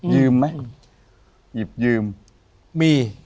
ยืมไหมหยิบยืมมี